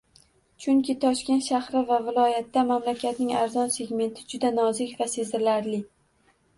Chunki Toshkent shahri va viloyatida mamlakatning arzon segmenti juda nozik va sezilarli